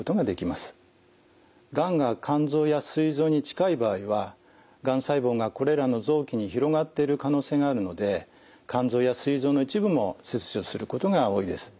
がんが肝臓やすい臓に近い場合はがん細胞がこれらの臓器に広がっている可能性があるので肝臓やすい臓の一部も切除することが多いです。